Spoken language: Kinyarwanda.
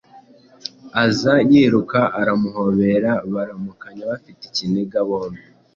aza yiruka aramuhobera. Baramukanya bafite ikiniga bombi.